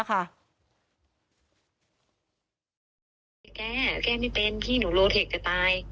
แกแก้แก้ไม่เป็นพี่หนูโลเทคจะตาย